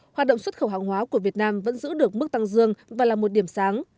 hoạt động xuất khẩu hàng hóa của việt nam vẫn giữ được mức tăng dương và là một điểm sáng